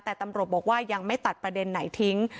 แต่ตำรวจบอกว่ายังไม่ตัดประเด็นไหนทิ้ง